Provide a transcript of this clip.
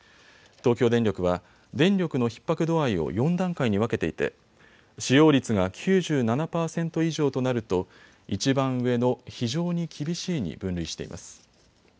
東京電力は電力のひっ迫度合いを４段階に分けていて使用率が９７％以上となるといちばん上の非常に厳しいに分類しています。